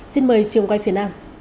xin mời trường quay phía nam